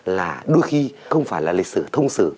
là đôi khi không phải là lịch sử thông sử